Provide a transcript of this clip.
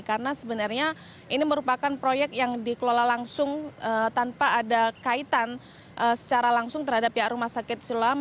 karena sebenarnya ini merupakan proyek yang dikelola langsung tanpa ada kaitan secara langsung terhadap pihak rumah sakit siloam